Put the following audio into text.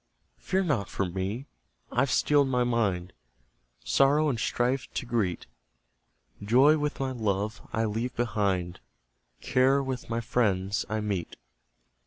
Fear not for me I've steeled my mind Sorrow and strife to greet; Joy with my love I leave behind, Care with my friends I meet.